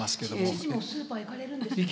知事もスーパー行かれるんですね。